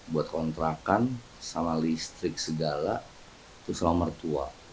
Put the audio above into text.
buat kontrakan sama listrik segala terus sama mertua